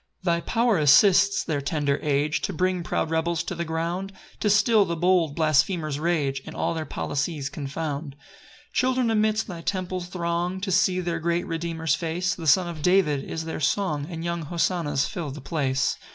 3 Thy power assists their tender age To bring proud rebels to the ground, To still the bold blasphemer's rage, And all their policies confound. 4 Children amidst thy temple throng To see their great Redeemer's face; The Son of David is their song, And young hosannas fill the place.